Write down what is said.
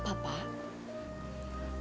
ada apa pak